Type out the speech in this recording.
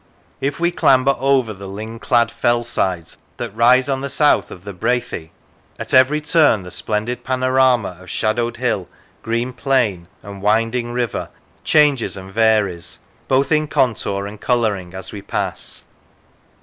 If we clamber over the ling clad fellsides that rise on the south of the Brathay, at every turn the splendid panorama of shadowed hill, green plain, and winding river changes and varies, both in contour and colouring, as we pass.